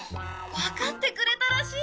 わかってくれたらしい。